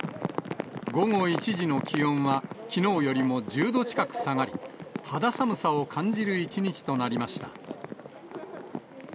午後１時の気温は、きのうよりも１０度近く下がり、肌寒さを感じる一日となりました。